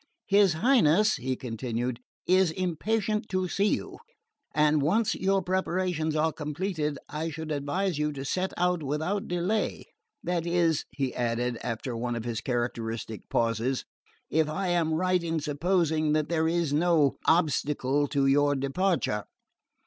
"His Highness," he continued, "is impatient to see you; and once your preparations are completed, I should advise you to set out without delay; that is," he added, after one of his characteristic pauses, "if I am right in supposing that there is no obstacle to your departure."